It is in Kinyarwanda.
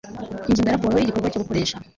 Ingingo ya Raporo y igikorwa cyo gukoresha